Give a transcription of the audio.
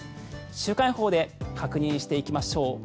週間予報で確認していきましょう。